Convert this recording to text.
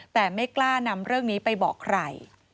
แต่ไม่กล้านำเรื่องนี้ไปบอกใคร